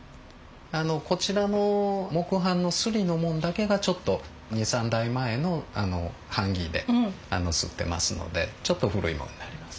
こちらの木版の刷りのもんだけがちょっと２３代前の版木で刷ってますのでちょっと古いものになります。